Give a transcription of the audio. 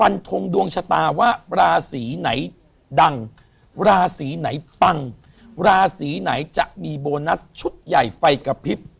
ยังไงจะมีโบนัสชุดใหญ่ไฟกะพริบ